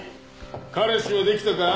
彼氏はできたか？